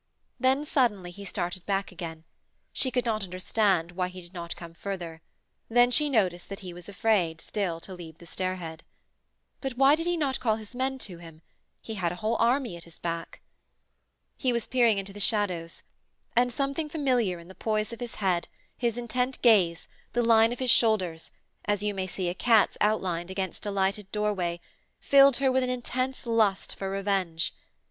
Then, suddenly, he started back again; she could not understand why he did not come further then she noticed that he was afraid, still, to leave the stairhead. But why did he not call his men to him? He had a whole army at his back. He was peering into the shadows and something familiar in the poise of his head, his intent gaze, the line of his shoulders, as you may see a cat's outlined against a lighted doorway, filled her with an intense lust for revenge.